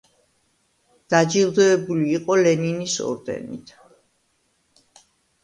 დაჯილდოებული იყო ლენინის ორდენით.